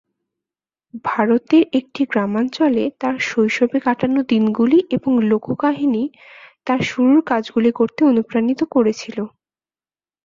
ভারতের একটি গ্রামাঞ্চলে তাঁর শৈশবে কাটানো দিনগুলি এবং লোককাহিনী তাঁর শুরুর কাজগুলি করতে অনুপ্রাণিত করেছিল।